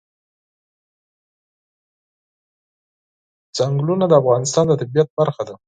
چنګلونه د افغانستان د طبیعت برخه ده.